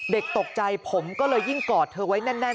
เด็กตกใจผมก็เลยยิ่งกอดเธอไว้แน่น